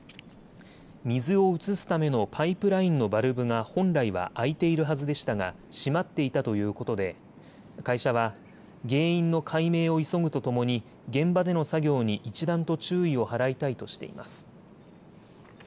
水を移すためのパイプラインのバルブが本来は開いているはずでしたが閉まっていたということで会社は原因の解明を急ぐとともに現場での作業に一段と注意を払いたいとしています。